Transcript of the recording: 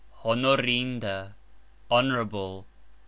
Honorinda honourable.